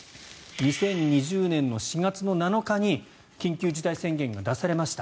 ２０２０年の４月７日に緊急事態宣言が出されました。